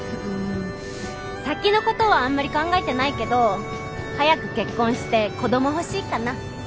うん先のことはあんまり考えてないけど早く結婚して子ども欲しいかな。